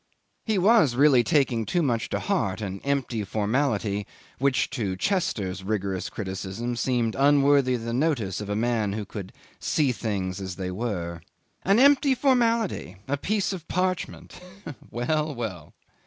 He was really taking too much to heart an empty formality which to Chester's rigorous criticism seemed unworthy the notice of a man who could see things as they were. An empty formality; a piece of parchment. Well, well.